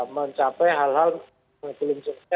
mencapai hal hal menghasilkan